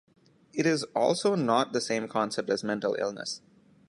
It is also not the same concept as mental illness.